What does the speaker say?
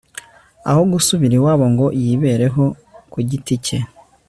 aho gusubira iwabo ngo yibereho ku giti cye